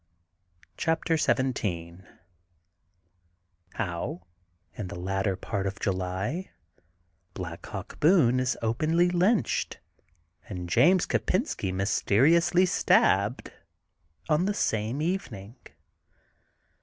CHAPTER XVn HOW IN THE LATTER PART OF JULT BLACK HAWK BOONB IS OPENLY LYNCHED AND JAMES KOPENSKT MYSTERIOUSLY STABBED ON THE SAME EVENING.